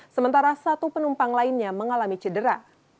sementara satu penumpang lainnya mengalami cedera